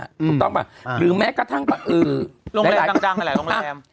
ถูกต้องป่ะหรือแม้กระทั่งโรงแรมดังหลายโรงแรม